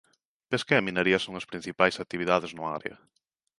A pesca e a minería son as principais actividades no área.